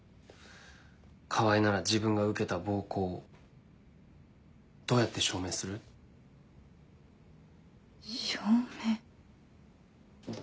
川合なら自分が受けた暴行どうやって証明する？証明。